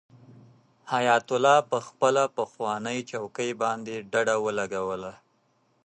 حیات الله په خپله پخوانۍ چوکۍ باندې ډډه ولګوله.